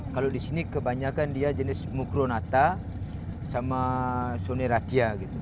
kalau di sini kebanyakan dia jenis mukronata sama soneratya